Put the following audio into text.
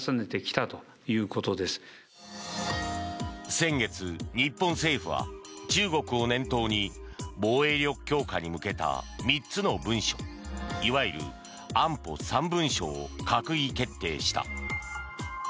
先月、日本政府は中国を念頭に防衛力強化に向けた３つの文書いわゆる安保３文書を閣議決定した。